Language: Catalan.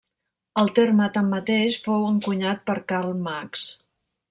El terme, tanmateix, fou encunyat per Karl Marx.